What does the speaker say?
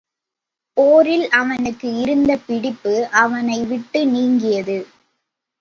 போரில் அவனுக்கு இருந்த பிடிப்பு அவனை விட்டு நீங்கியது.